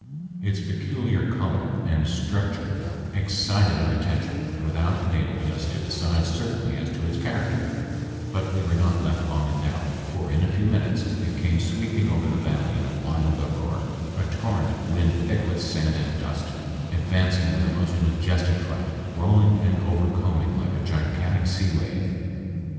Its peculiar color and structure excited our attention without enabling us to decide certainly as to its character, but we were not left long in doubt, for in a few minutes it came sweeping over the valley in a wild uproar, a torrent of wind thick with sand and dust, advancing with a most majestic front, rolling and overcombing like a gigantic sea wave.